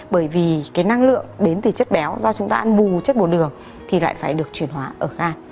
bởi vì cái năng lượng đến từ chất béo do chúng ta ăn bù chất bồ đường thì lại phải được chuyển hóa ở ga